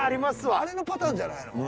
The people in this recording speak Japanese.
あれのパターンじゃないの？